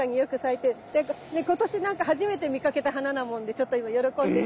っていうか今年なんか初めて見かけた花なもんでちょっと今喜んでる。